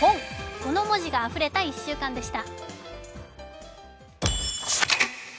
この文字があふれた１週間でした。